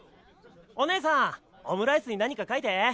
お姉さんオムライスに何か描いて！